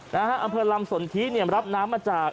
อำเภอลำสนทิเนี่ยรับน้ำมาจาก